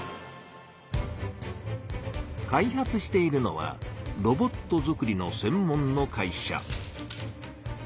開発しているのはロボットづくりの専門の会社。